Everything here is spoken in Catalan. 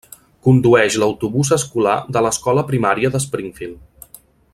Condueix l'autobús escolar de l'Escola Primària de Springfield.